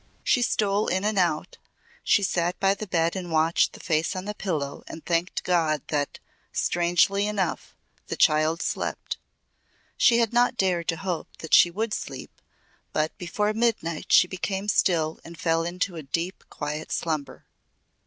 She stole in and out, she sat by the bed and watched the face on the pillow and thanked God that strangely enough the child slept. She had not dared to hope that she would sleep, but before midnight she became still and fell into a deep quiet slumber.